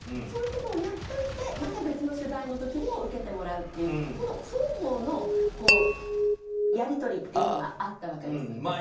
そういうことをやっておいてまた別の取材の時にも受けてもらうというその双方のやり取りがあったわけです。